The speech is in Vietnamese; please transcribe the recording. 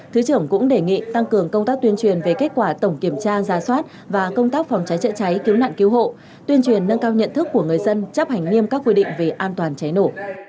thứ trưởng cũng đề nghị tăng cường công tác tuyên truyền về kết quả tổng kiểm tra ra soát và công tác phòng cháy chữa cháy cứu nạn cứu hộ tuyên truyền nâng cao nhận thức của người dân chấp hành nghiêm các quy định về an toàn cháy nổ